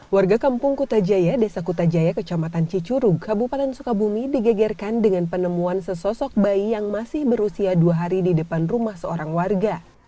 warga kampung kutajaya desa kutajaya kecamatan cicurug kabupaten sukabumi digegerkan dengan penemuan sesosok bayi yang masih berusia dua hari di depan rumah seorang warga